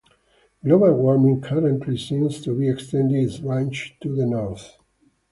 Global warming currently seems to be extending its range to the north.